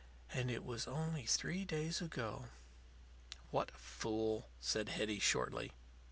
And it was only three days ago." "What a fool!" said Hetty, shortly.